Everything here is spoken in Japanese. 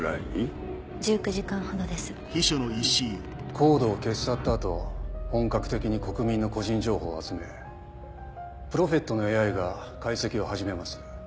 ＣＯＤＥを消し去った後本格的に国民の個人情報を集めプロフェットのＡＩが解析を始めます。